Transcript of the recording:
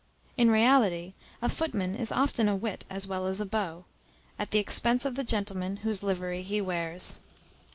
In reality, a footman is often a wit as well as a beau, at the expence of the gentleman whose livery he wears.